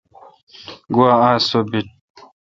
گوا آس سو بیل۔